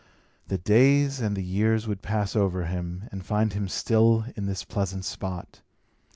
The days and the years would pass over him, and find him still in this pleasant spot.